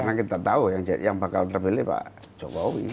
karena kita tahu yang bakal terpilih pak jokowi